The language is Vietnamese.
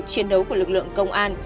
chiến đấu của lực lượng công an